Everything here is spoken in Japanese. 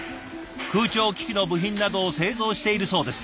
空調機器の部品などを製造しているそうです。